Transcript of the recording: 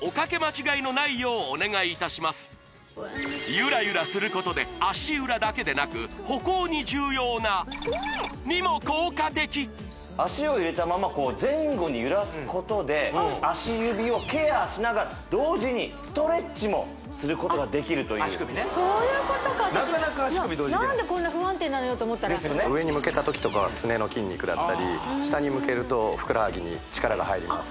ゆらゆらすることで足裏だけでなく歩行に重要な○○○○にも効果的足指をケアしながら同時にストレッチもすることができるというそういうことかなかなか足首同時にできない何でこんな不安定なのよと思ったら上に向けた時とかはすねの筋肉だったり下に向けるとふくらはぎに力が入ります